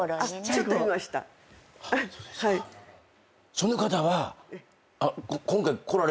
その方は。